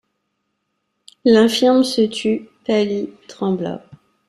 L'infirme se tut, pâlit, trembla.